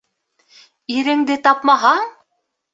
— Иреңде тапмаһаң...